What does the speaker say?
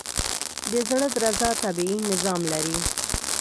د زړه درزا طبیعي نظام لري.